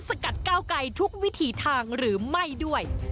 กัดก้าวไกลทุกวิถีทางหรือไม่ด้วย